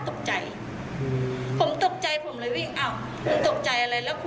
ผมตกใจผมเลยวิ่งอ้าวตกใจอะไรแล้วคุณไปเข้าห้องน้ำผู้หญิงได้ยังไง